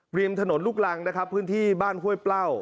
ริมถนนลูกรังนะครับพื้นที่บ้านห้วยเปล้า